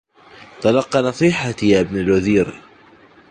تلق نصيحتي يا ابن الوزير